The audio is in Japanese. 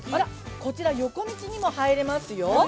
こちら横道にも入れますよ。